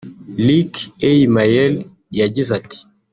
Luc Eymael yagize ati